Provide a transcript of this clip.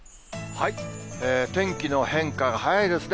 天気の変化が早いですね。